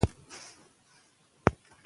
موږ بايد پردي ترکيبونه ونه منو.